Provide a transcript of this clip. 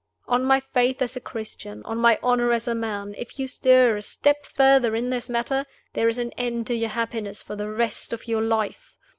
On my faith as a Christian, on my honor as a man, if you stir a step further in this matter, there is an end to your happiness for the rest of your life!